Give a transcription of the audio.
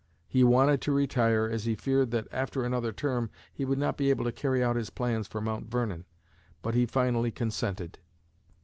He wanted to retire, as he feared that, after another term, he would not be able to carry out his plans for Mount Vernon; but he finally consented.